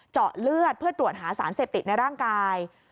เจาะเลือดเพื่อตรวจหาสารเสพติดในร่างกาย